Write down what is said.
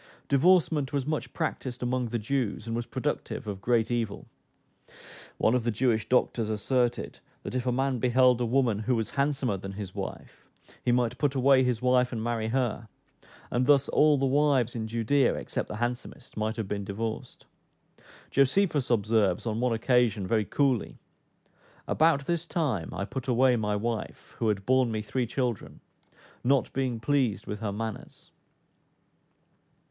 Divorcement was much practised among the Jews, and was productive of great evil. One of the Jewish doctors asserted, that if a man beheld a woman who was handsomer than his wife, he might put away his wife and marry her; and thus all the wives in Judea, except the handsomest, might have been divorced. Josephus observes, on one occasion, very coolly, "About this time I put away my wife, who had borne me three children, not being pleased with her manners."